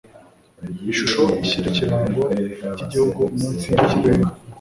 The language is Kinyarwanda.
Ishusho ishyira ikirango cyigihugu munsi yikizenga